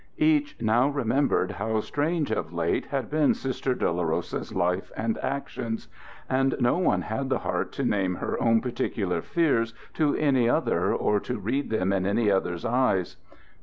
Each now remembered how strange of late had been Sister Dolorosa's life and actions, and no one had the heart to name her own particular fears to any other or to read them in any other's eyes.